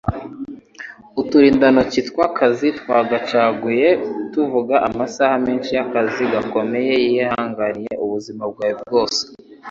Uturindantoki tw'akazi twacagaguye tuvuga amasaha menshi y'akazi gakomeye yihanganiye ubuzima bwe bwose.